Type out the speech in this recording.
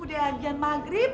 udah ajian magrib